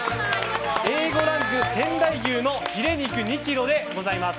Ａ５ランク仙台牛のヒレ肉２ｋｇでございます。